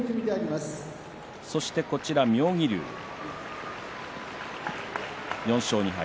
そして妙義龍、４勝２敗。